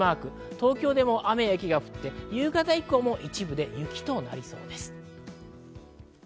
東京でも雨や雪が降って夕方以降も一部で雪となりそうです。